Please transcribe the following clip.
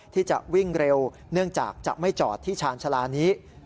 ที่จะวิ่งเร็วเนื่องจากจะไม่จอดที่ชาญชาลานี้